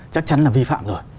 chắc chắn là vi phạm rồi